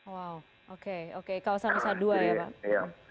wow oke oke kawasan nusa dua ya pak